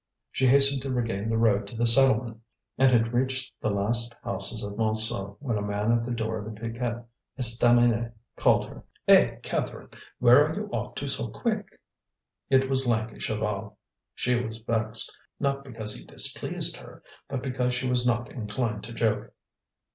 She hastened to regain the road to the settlement, and had reached the last houses of Montsou when a man at the door of the Piquette Estaminet called her: "Eh! Catherine! where are you off to so quick?" It was lanky Chaval. She was vexed, not because he displeased her, but because she was not inclined to joke.